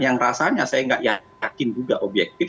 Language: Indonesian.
yang rasanya saya nggak yakin juga objektif